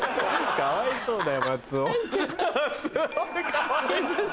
かわいそうだよ。